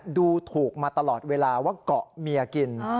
ดูถูกมาตลอดเวลาว่าเกาะเมียกิน